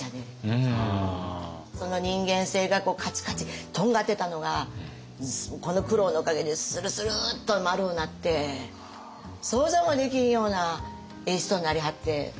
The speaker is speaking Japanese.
その人間性がカチカチとんがってたのがこの苦労のおかげでスルスルーッと丸うなって想像もできひんようなええ人になりはって。